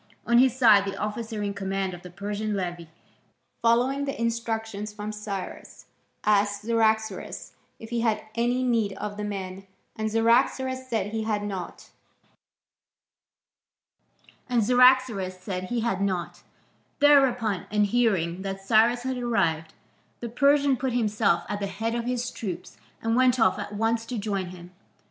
On his side the officer in command of the Persian levy, following the instructions from Cyrus, asked Cyaxares if he had any need of the men, and Cyaxares said he had not. Thereupon, and hearing that Cyrus had arrived, the Persian put himself at the head of his troops and went off at once to join him.